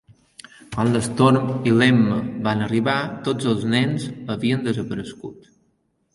Quan l'Storm i l'Emma van arribar, tots els nens havien desaparegut.